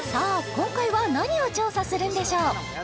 今回は何を調査するんでしょう？